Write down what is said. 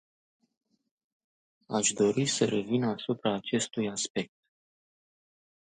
Aș dori să revin asupra acestui aspect.